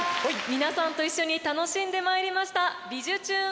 皆さんと一緒に楽しんでまいりました「びじゅチューン！